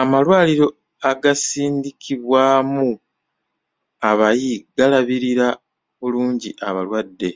Amalwaliro agasindikibwamu abayi galabirira bulungi abalwadde.